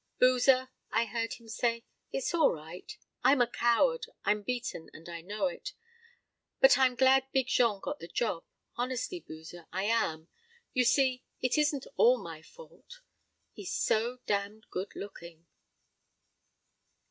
"Boozer," I heard him say, "it's all right; I am a coward, I'm beaten and I know it, but I'm glad Big Jean got the job honestly, Boozer, I am you see it isn't all my fault he's so damned good looking."